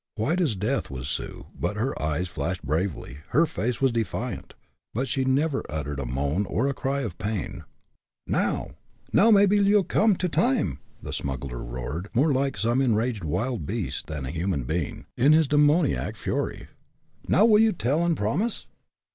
White as death was Sue, but her eyes flashed bravely, her face was defiant but she never uttered a moan or cry of pain. "Now now maybe you'll come to time!" the smuggler roared, more like some enraged wild beast than a human being, in his demoniac fury. "Now, will you tell and promise?"